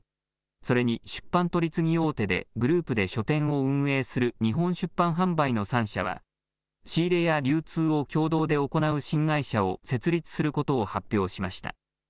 それに出版取次大手でグループで書店を運営する日本出版販売の３社は仕入れや流通を共同で行なう新会社を設立することを発表しました。